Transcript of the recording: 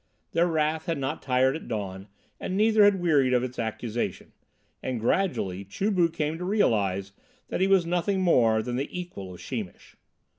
Their wrath had not tired at dawn, and neither had wearied of his accusation. And gradually Chu bu came to realize that he was nothing more than the equal of Sheemish.